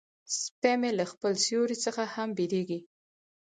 سپي مې له خپل سیوري څخه هم بیریږي.